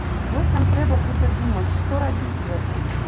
Вось нам трэба будзе думаць, што рабіць з гэтым.